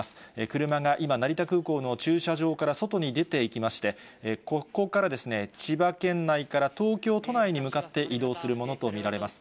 車が今、成田空港の駐車場から外に出ていきまして、ここから千葉県内から東京都内に向かって移動するものと見られます。